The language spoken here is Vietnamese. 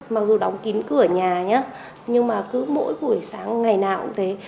mặc dù đóng kín cửa nhà nhé nhưng mà cứ mỗi buổi sáng ngày nào cũng thế